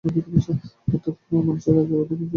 বৌদ্ধধর্ম প্রচারের আগে অধিকাংশ আরাকানি ছিল প্রকৃতি পূজক।